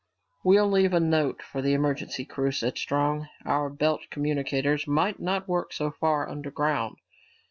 "We'll leave a note for the emergency crew," said Strong. "Our belt communicators might not work so far underground."